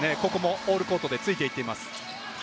オールコートでついていっています。